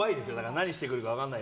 何してくるか分からない。